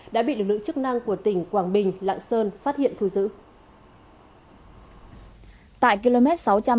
đã bị lực lượng chức năng của tỉnh quảng bình lạng sơn phát hiện thu giữ